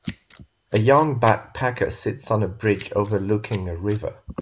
A young backpacker sits on a bridge overlooking a river.